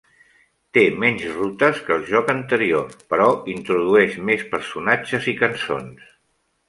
Té menys rutes que el joc anterior, però introdueix més personatges i cançons.